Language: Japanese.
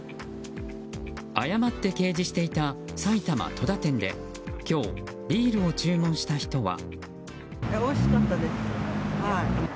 誤って掲示していた埼玉・戸田店で今日、ビールを注文した人は。